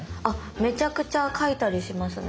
めちゃくちゃ描いたりしますね。